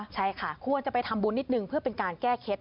ใช่ค่ะควรจะไปทำบุญนิดนึงเพื่อเป็นการแก้เคล็ด